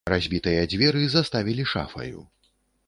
Разбітыя дзверы заставілі шафаю.